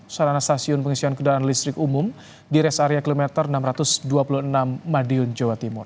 sarana stasiun pengisian kendaraan listrik umum di res area kilometer enam ratus dua puluh enam madiun jawa timur